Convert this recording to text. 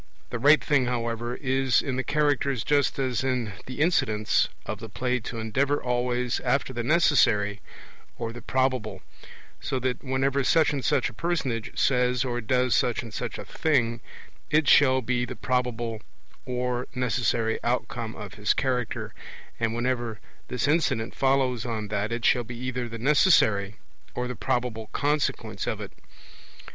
The right thing, however, is in the Characters just as in the incidents of the play to endeavour always after the necessary or the probable; so that whenever such and such a personage says or does such and such a thing, it shall be the probable or necessary outcome of his character; and whenever this incident follows on that, it shall be either the necessary or the probable consequence of it.